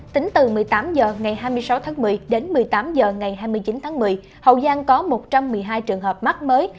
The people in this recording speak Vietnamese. tính từ một mươi tám h ngày hai mươi sáu tháng một mươi đến một mươi tám h ngày hai mươi chín tháng một mươi hậu giang có một trăm một mươi hai trường hợp mắc mới